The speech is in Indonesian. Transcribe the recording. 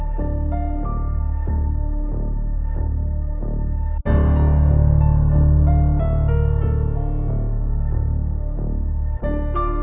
tidur gak usah senyum senyum